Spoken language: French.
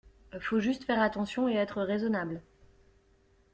Faut juste faire attention et être raisonnable.